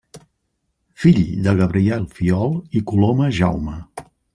Fill de Gabriel Fiol i Coloma Jaume.